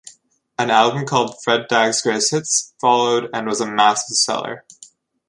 An album called "Fred Dagg's Greatest Hits" followed and was a massive seller.